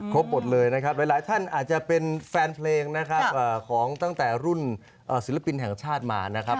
หมดเลยนะครับหลายท่านอาจจะเป็นแฟนเพลงนะครับของตั้งแต่รุ่นศิลปินแห่งชาติมานะครับ